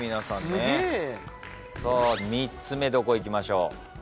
さあ３つ目どこいきましょう？